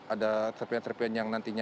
ada serpian serpian yang nantinya